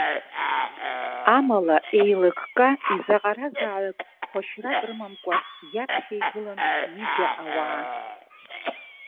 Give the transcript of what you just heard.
Амала, еилыкка, изаҟаразаалак хәашьрак рымамкәа иаԥхьа игылан ҩыџьа ауаа.